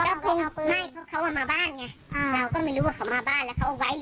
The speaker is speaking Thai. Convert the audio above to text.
ไม่เพราะเขามาบ้านไงเราก็ไม่รู้ว่าเขามาบ้านแล้วเขาไว้หรือเปล่า